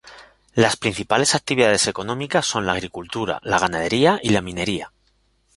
Las principales actividades económicas son la agricultura, la ganadería y la minería.